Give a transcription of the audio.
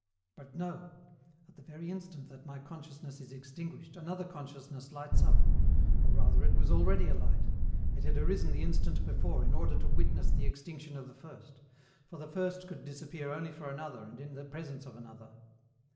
But no! At the very instant that my consciousness is extinguished, another consciousness lights up or rather, it was already alight: it had arisen the instant before, in order to witness the extinction of the first; for the first could disappear only for another and in the presence of another.